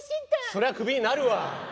そりゃクビになるわ。